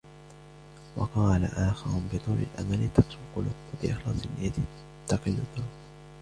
وَقَالَ آخَرُ بِطُولِ الْأَمَلِ تَقْسُو الْقُلُوبُ ، وَبِإِخْلَاصِ النِّيَّةِ تَقِلُّ الذُّنُوبُ